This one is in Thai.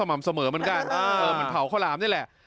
เหมือนเผาข้าวหลามนี่แหละ